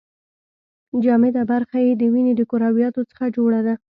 جامده برخه یې د وینې د کرویاتو څخه جوړه ده.